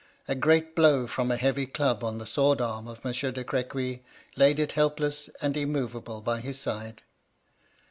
A great blow from a heavy dub on the sword arm of Monsieur de Crequy laid it helpless and immoveable by his side.